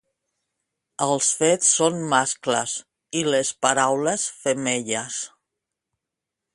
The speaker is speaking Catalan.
Els fets són mascles i les paraules femelles.